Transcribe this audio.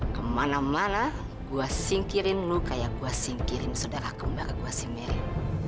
kemana mana gue singkirin lu kayak gue singkirin saudara kembar gue si mary